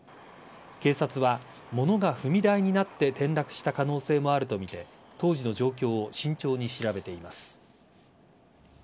警察は物が踏み台になって転落した可能性もあるとみて当時の状況を慎重に調べています。